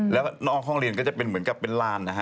แล้วนอกห้องเรียนก็จะเป็นเหมือนกับเป็นลานนะฮะ